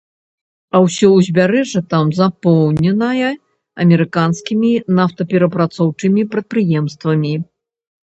А ўсё ўзбярэжжа там запоўненае амерыканскімі нафтаперапрацоўчымі прадпрыемствамі.